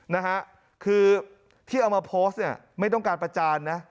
นะฮะคือที่เอามาโพสต์เนี่ยไม่ต้องการประจานนะ